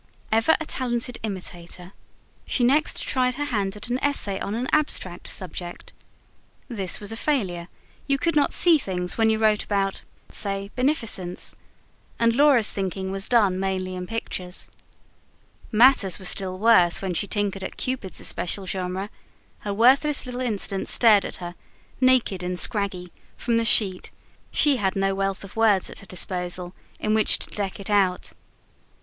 Ever a talented imitator, she next tried her hand at an essay on an abstract subject. This was a failure: you could not SEE things, when you wrote about, say, "Beneficence"; and Laura's thinking was done mainly in pictures. Matters were still worse when she tinkered at Cupid's especial genre: her worthless little incident stared at her, naked and scraggy, from the sheet; she had no wealth of words at her disposal in which to deck it out.